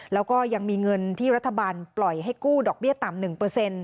แล้วก็ยังมีเงินที่รัฐบาลปล่อยให้กู้ดอกเบี้ยต่ำ๑